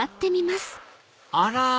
あら！